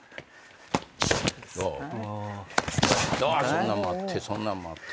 そんなんもあってそんなんもあって。